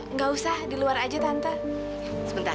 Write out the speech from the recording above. nggak usah di luar aja tante sebentar